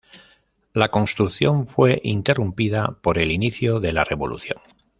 La construcción fue interrumpida por el inicio de la revolución.